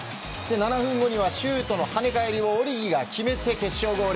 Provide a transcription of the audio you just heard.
７分後にはシュートの跳ね返りをオリギが決めて決勝ゴール。